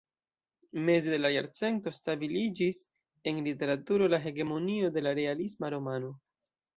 Meze de la jarcento stabiliĝis en literaturo la hegemonio de la realisma romano.